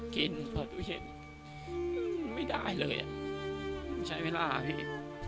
กินเปิดวิเศษไม่ได้เลยใช้เวลาพี่